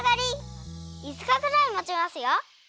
いつかくらいもちますよ。